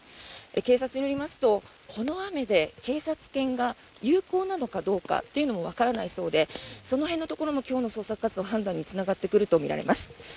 警察によりますとこの雨で警察犬が有効なのかどうかというのもわからないそうでその辺のところも今日の捜索活動の判断につながってくるとみられます。